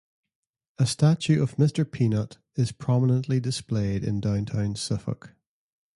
A statue of Mr. Peanut is prominently displayed in downtown Suffolk.